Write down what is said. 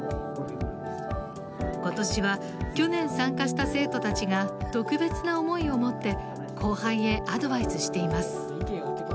今年は去年参加した生徒たちが特別な思いを持って後輩へアドバイスしています。